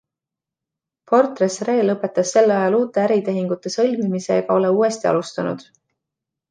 Fortress Re lõpetas sel ajal uute äritehingute sõlmimise ega ole uuesti alustanud.